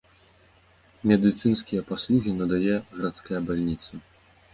Медыцынскія паслугі надае гарадская бальніца.